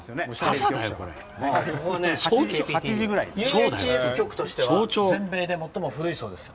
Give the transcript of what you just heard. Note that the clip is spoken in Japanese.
ＵＨＦ局としては全米で最も古いそうですよ。